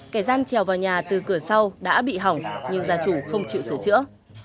kẻ gian trèo vào nhà từ cửa sau đã bị hỏng nhưng gia chủ không chịu sửa chữa